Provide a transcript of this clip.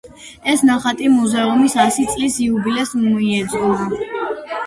ეს ნახატი მუზეუმის ასი წლის იუბილეს მიეძღვნა.